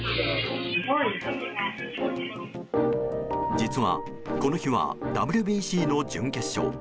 実は、この日はＷＢＣの準決勝。